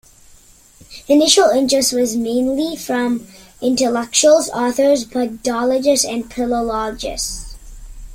Initial interest was mainly from intellectuals, authors, Buddhologists and Philologists.